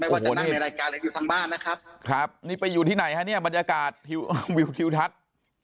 ว่าจะนั่งในรายการหรืออยู่ทางบ้านนะครับครับนี่ไปอยู่ที่ไหนฮะเนี่ยบรรยากาศวิวทิวทัศน์